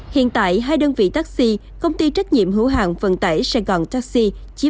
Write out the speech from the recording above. hiện tại hai đơn vị taxi công ty trách nhiệm hữu hàng vận tải sài gòn taxi chiếm